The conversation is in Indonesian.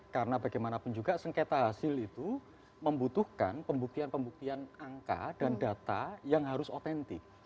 karena bagaimanapun juga sengketa hasil itu membutuhkan pembuktian pembuktian angka dan data yang harus otentik